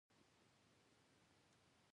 دا ولایتونه د کورنیو د دودونو مهم عنصر دی.